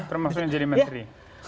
termasuk yang jadi menteri